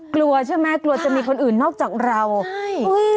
กลัวใช่ไหมกลัวจะมีคนอื่นนอกจากเราใช่อุ้ย